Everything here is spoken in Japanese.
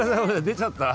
出ちゃった？